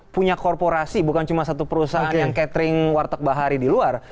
punya korporasi bukan cuma satu perusahaan yang catering warteg bahari di luar